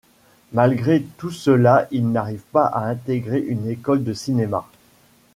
Malgré tout cela, il n'arrive pas à intégrer une école de cinéma.